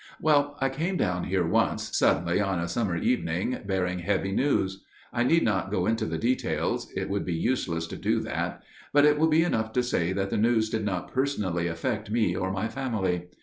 "Well, I came down here once, suddenly, on a summer evening, bearing heavy news. I need not go into details; it would be useless to do that––but it will be enough to say that the news did not personally affect me or my family.